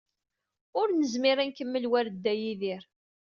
Ur nezmir ad nkemmel war Dda Yidir.